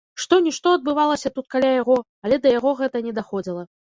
Што-нішто адбывалася тут каля яго, але да яго гэта не даходзіла.